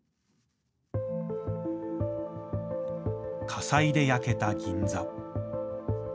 火災で焼けた銀座。